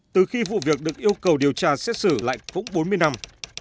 từ khi vụ việc được yêu cầu điều tra xét xử lại cũng bốn mươi năm